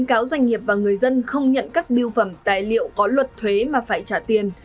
cáo doanh nghiệp và người dân không nhận các biêu phẩm tài liệu có luật thuế mà phải trả tiền